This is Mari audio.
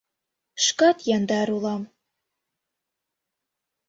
— Шкат яндар улам...